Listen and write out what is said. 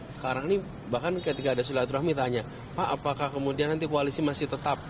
sekarang ini bahkan ketika ada silaturahmi tanya pak apakah kemudian nanti koalisi masih tetap